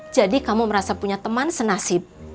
jadi kamu merasa punya teman senasib